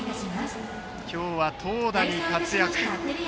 今日は投打に活躍。